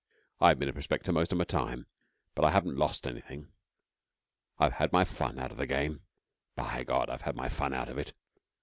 I've been a prospector most o' my time, but I haven't lost anything. I've had my fun out of the game. By God, I've had my fun out of it!